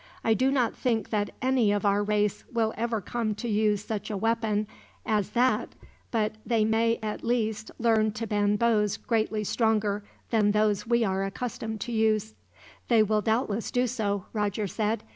I do not think that any of our race will ever come to use such a weapon as that, but they may at least learn to bend bows greatly stronger than those we are accustomed to use." "They will doubtless do so," Roger said.